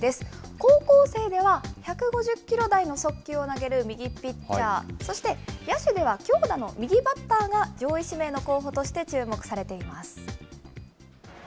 高校生では、１５０キロ台の速球を投げる右ピッチャー、そして野手では強打の右バッターが、上位指名の候補として、注目されています。